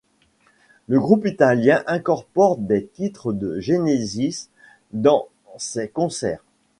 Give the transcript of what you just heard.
Le groupe italien incorpore des titres de Genesis dans ses concerts.